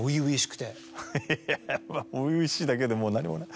いや初々しいだけでもう何もない。